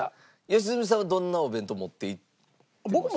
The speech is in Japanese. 良純さんはどんなお弁当を持って行ってました？